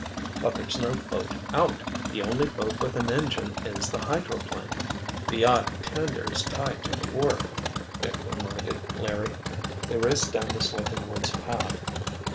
"But there's no boat out—the only boat with an engine is the hydroplane——" "The yacht tender's tied to the wharf," Dick reminded Larry. They raced down the sloping woods path.